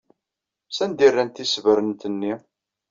Sanda ay rrant tisebrent-nni?